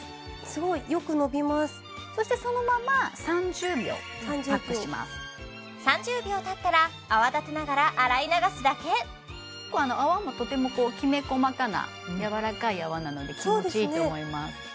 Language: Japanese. すごいよくのびますそしてそのまま３０秒パックします３０秒たったら泡立てながら洗い流すだけ結構泡もとてもきめ細かなやわらかい泡なので気持ちいいと思いますそうですね